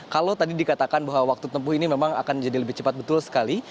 kalau tadi dikatakan bahwa waktu tempuh ini memang akan jadi lebih cepat betul sekali